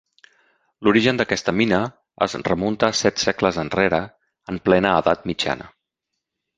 L'origen d'aquesta mina es remunta set segles enrere, en plena edat mitjana.